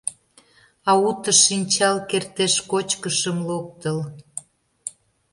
А уто шинчал кертеш кочкышым локтыл.